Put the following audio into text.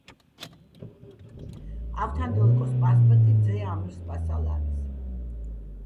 ავთანდილ იყო სპასპეტი, ძე ამირ-სპასალარისა,